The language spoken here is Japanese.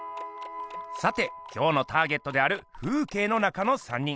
さて今日のターゲットである「風景の中の三人」。